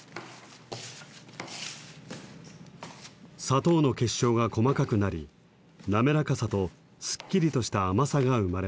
砂糖の結晶が細かくなり滑らかさとすっきりとした甘さが生まれます。